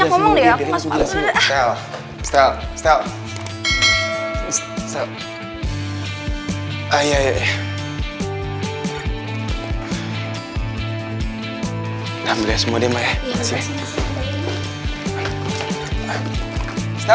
kamu gak usah banyak ngomong deh ya